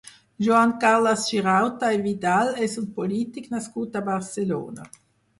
Joan Carles Girauta i Vidal és un polític nascut a Barcelona.